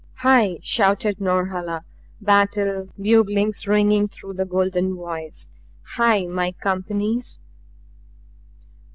"HAI!" shouted Norhala, battle buglings ringing through the golden voice. "HAI! my companies!"